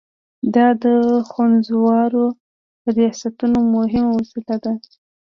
دا د خونخوارو ریاستونو مهمه وسیله ده.